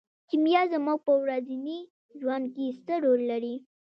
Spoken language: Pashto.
کیمیا زموږ په ورځني ژوند کې څه رول لري.